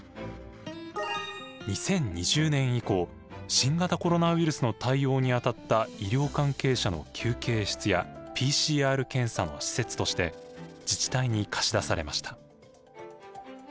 ２０２０年以降新型コロナウイルスの対応に当たった医療関係者の休憩室やＰＣＲ検査の施設として自治体に貸し出されました。